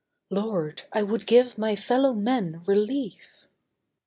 Lord, I would give my fellow men relief.